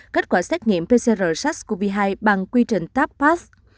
kết quả xét nghiệm pcr sars cov hai bằng quy trình tap path